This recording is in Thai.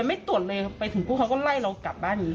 ไม่ตรวจเลยไปถึงกรุงเขาก็ไล่เรากลับบ้านนี้